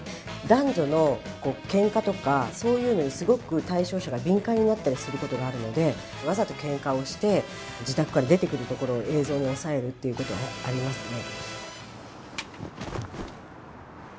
男女のケンカとかそういうのにすごく対象者が敏感になったりすることがあるのでわざとケンカをして自宅から出てくるところを映像に押さえるということありますね